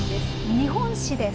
「日本史」です。